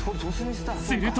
［すると］